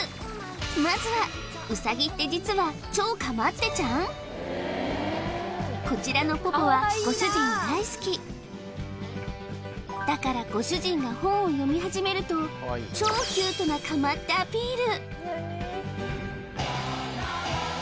まずはウサギってこちらのぽぽはご主人大好きだからご主人が本を読み始めると超キュートなかまってアピール